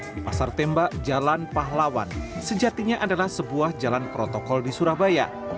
di pasar tembak jalan pahlawan sejatinya adalah sebuah jalan protokol di surabaya